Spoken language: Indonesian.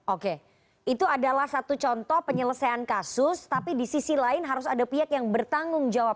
oke itu adalah satu contoh penyelesaian kasus tapi di sisi lain harus ada pihak yang bertanggung jawab